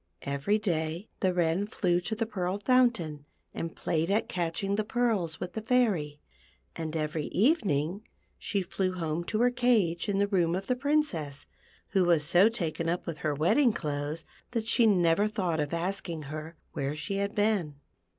Every day the Wren flew to the Pearl Fountain, and played at catch ing the pearls with the Fairy, and every evening siie 12 THE PEARL FOUNTAIN. flew home to her cage in the room of the Princess, who was so taken up with her wedding clothes that she never thought of asking her where she had been.